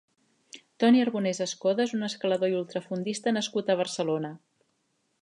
Toni Arbonès Escoda és un escalador i ultrafondista nascut a Barcelona.